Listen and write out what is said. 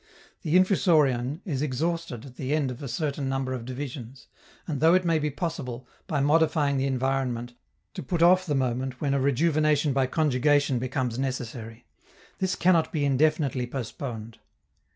The Infusorian is exhausted at the end of a certain number of divisions, and though it may be possible, by modifying the environment, to put off the moment when a rejuvenation by conjugation becomes necessary, this cannot be indefinitely postponed.